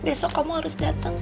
besok kamu harus dateng